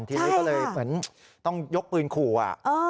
ทีนี้ก็เลยเหมือนต้องยกปืนขู่อ่ะ